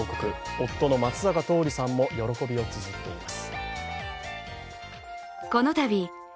夫の松坂桃李さんも喜びをつづっています。